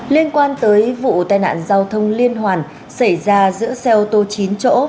liên quan tới vụ tai nạn giao thông liên hoàn xảy ra giữa xe ô tô chín chỗ